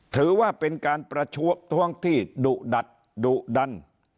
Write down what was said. ถือว่าเป็นการประท้วงที่ดุดัดดุดัน